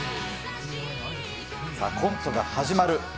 コントが始まる。